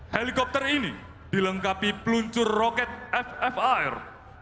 helikopter ini dilengkapi peluncur roket ffar